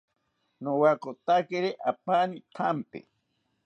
Nowakotakiri apani thampi